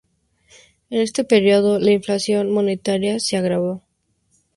En este periodo la inflación monetaria se agravó.